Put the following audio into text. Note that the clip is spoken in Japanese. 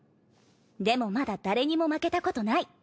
でもまだ誰にも負けたことない！